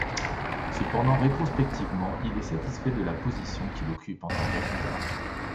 Cependant, rétrospectivement, il est satisfait de la position qu'il occupe en tant qu'acteur.